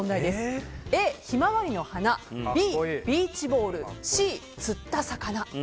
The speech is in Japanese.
Ａ、ヒマワリの花Ｂ、ビーチボールＣ、釣った魚。